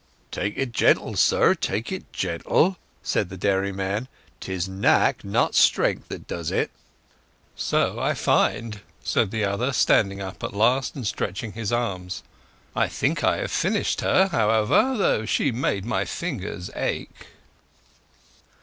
"Take it gentle, sir; take it gentle," said the dairyman. "'Tis knack, not strength, that does it." "So I find," said the other, standing up at last and stretching his arms. "I think I have finished her, however, though she made my fingers ache."